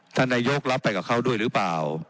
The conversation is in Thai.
ท่านนายกรับไปกับเขาด้วยหรือเปล่า